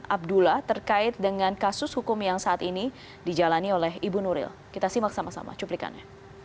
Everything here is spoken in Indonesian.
abdullah terkait dengan kasus hukum yang saat ini dijalani oleh ibu nuril kita simak sama sama cuplikannya